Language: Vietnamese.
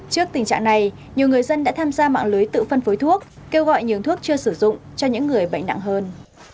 trước tình trạng này nhiều người dân đã tham gia mạng lưới tự phân phối thuốc kêu gọi nhường thuốc chưa sử dụng cho những người bệnh nặng hơn